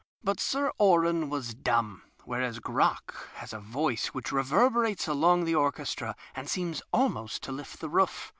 ]3ut Sir Oran was dumb, whereas Crock has a voice which reverberates along the orchestra and seems almost to lift the roof.